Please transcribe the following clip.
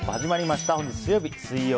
始まりました。